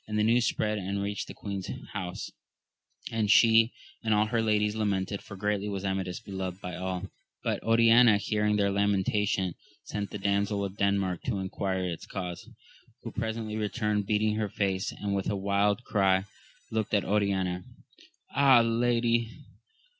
The news spread and reached the queen's house, and she and all her ladies lamented, for greatly was Amadis beloved by aU ; but Oriana hearing their lamentation sent the Damsel of Denmark to enquire its cause, who presently returned beating her face, and with a wild cry looked at Oriana. Ah, lady